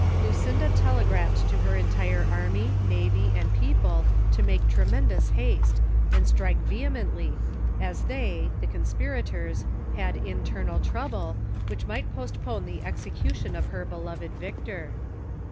Lucinda telegraphed to her entire army, navy and people to make tremendous haste, and strike vehemently, as they — the conspirators — had internal trouble, which might postpone the execution of her beloved Victor.